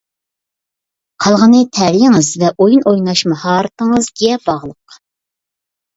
قالغىنى تەلىيىڭىز ۋە ئويۇن ئويناش ماھارىتىڭىزگە باغلىق.